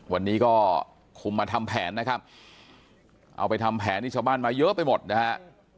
วันนี้ก็คุมมาทำแผนนะครับเอาไปทำแผนที่ชาวบ้านมาเยอะไปหมดนะฮะ